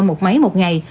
một máy một ngày